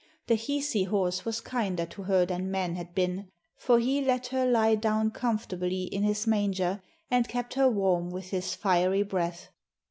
The Hisi horse was kinder to her than men had been, for he let her lie down comfortably in his manger, and kept her warm with his fiery breath.